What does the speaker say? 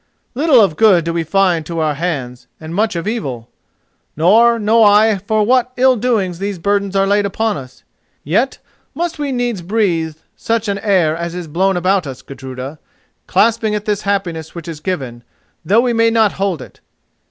Little of good do we find to our hands, and much of evil; nor know I for what ill doing these burdens are laid upon us. Yet must we needs breathe such an air as is blown about us, Gudruda, clasping at this happiness which is given, though we may not hold it.